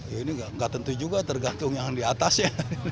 ya ini nggak tentu juga tergantung yang di atas ya